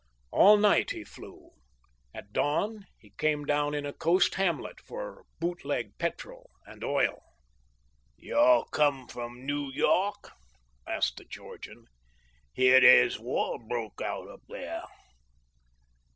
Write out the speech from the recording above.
All night he flew. At dawn he came down in a coast hamlet for bootleg petrol and oil. "You come from New York?" asked the Georgian. "Hear there's war broke out up there."